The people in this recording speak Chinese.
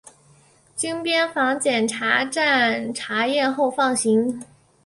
经边防检查站查验后放行。